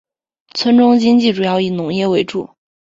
村中经济主要以农业为主。